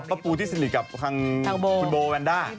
อ๋อป๊าปูที่สนิทกับคุณโบวันด้า